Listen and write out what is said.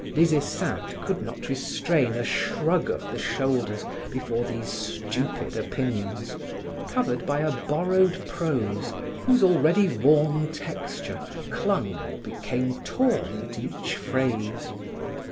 Des Esseintes could not restrain a shrug of the shoulders before these stupid opinions, covered by a borrowed prose whose already worn texture clung or became torn at each phrase.